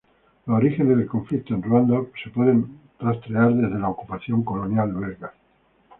Los orígenes del conflicto en Ruanda pueden ser rastreados desde la ocupación colonial belga.